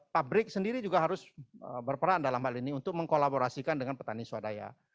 pabrik sendiri juga harus berperan dalam hal ini untuk mengkolaborasikan dengan petani swadaya